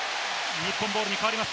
日本ボールに変わります。